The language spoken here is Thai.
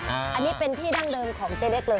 อันนี้เป็นที่ดั้งเดิมของเจ๊เล็กเลย